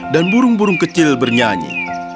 dan burung burung kecil bernyanyi